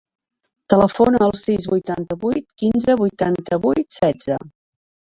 Telefona al sis, vuitanta-vuit, quinze, vuitanta-vuit, setze.